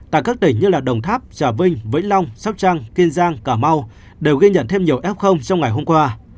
tại các tỉnh như đồng tháp trà vinh vĩnh long sóc trăng kiên giang cà mau đều ghi nhận thêm nhiều f trong ngày hôm qua